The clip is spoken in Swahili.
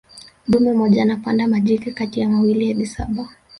dume mmoja anapanda majike kati ya mawili hadi saba